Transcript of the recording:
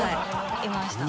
いました。